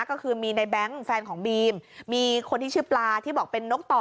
ก็คือมีในแบงค์แฟนของบีมมีคนที่ชื่อปลาที่บอกเป็นนกต่อ